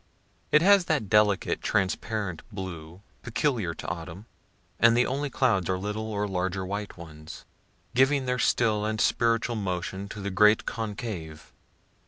It has that delicate, transparent blue, peculiar to autumn, and the only clouds are little or larger white ones, giving their still and spiritual motion to the great concave.